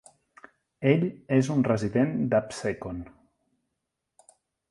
Ell és un resident d"Absecon.